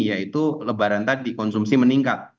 yaitu lebaran tadi konsumsi meningkat